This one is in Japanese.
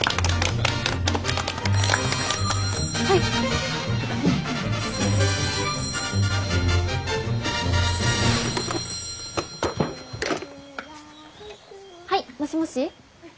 ☎はいもしもし。